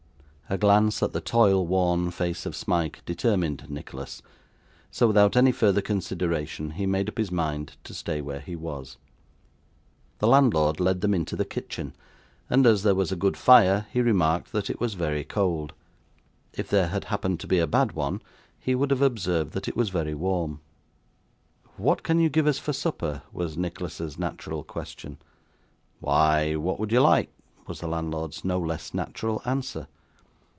A glance at the toil worn face of Smike determined Nicholas, so without any further consideration he made up his mind to stay where he was. The landlord led them into the kitchen, and as there was a good fire he remarked that it was very cold. If there had happened to be a bad one he would have observed that it was very warm. 'What can you give us for supper?' was Nicholas's natural question. 'Why what would you like?' was the landlord's no less natural answer.